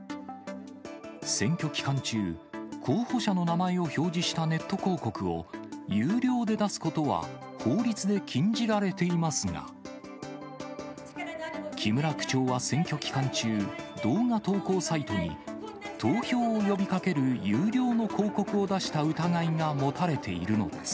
選挙期間中、候補者の名前を表示したネット広告を有料で出すことは法律で禁じられていますが、木村区長は選挙期間中、動画投稿サイトに、投票を呼びかける有料の広告を出した疑いが持たれているのです。